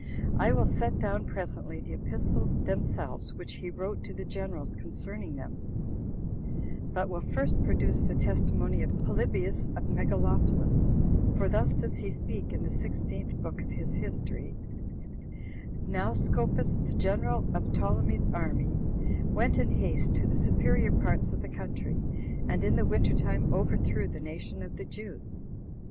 I will set down presently the epistles themselves which he wrote to the generals concerning them, but will first produce the testimony of Polybius of Megalopolis; for thus does he speak, in the sixteenth book of his history: "Now Scopas, the general of Ptolemy's army, went in haste to the superior parts of the country, and in the winter time overthrew the nation of the Jews?"